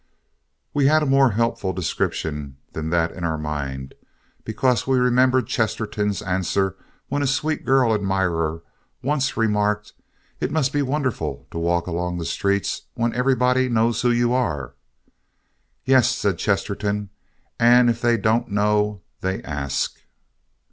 We had a more helpful description than that in our mind, because we remembered Chesterton's answer when a sweet girl admirer once remarked, "It must be wonderful to walk along the streets when everybody knows who you are." "Yes," said Chesterton; "and if they don't know they ask."